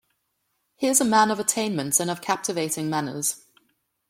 He is a man of attainments and of captivating manners.